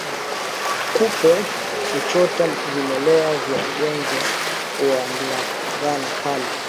Kupe huchota vimelea vya ugonjwa wa ndigana kali